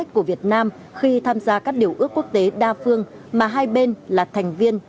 của việt nam khi tham gia các điều ước quốc tế đa phương mà hai bên là thành viên